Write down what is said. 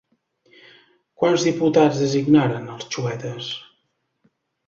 Quants diputats designaren els xuetes?